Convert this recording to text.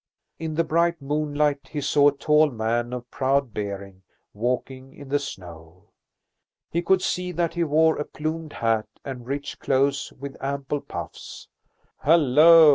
In the bright moonlight he saw a tall man of proud bearing walking in the snow. He could see that he wore a plumed hat and rich clothes with ample puffs. "Hallo!"